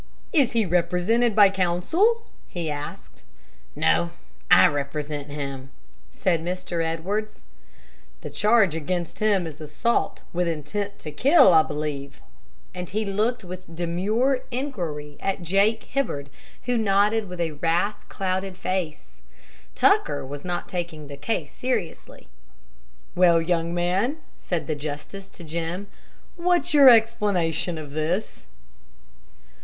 "Is he represented by counsel?" he asked. "No, I represent him," said Mr. Edwards. "The charge against him is assault with intent to kill, I believe?" and he looked with demure inquiry at Jake Hibbard, who nodded with a wrath clouded face. Tucker was not taking the case seriously. "Well, young man," said the justice to Jim, "what's your explanation of this?"